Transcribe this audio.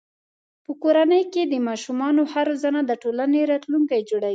په کورنۍ کې د ماشومانو ښه روزنه د ټولنې راتلونکی جوړوي.